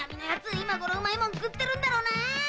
今頃うまいもん食ってるんだろうな！